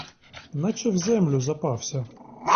Наче в землю запався.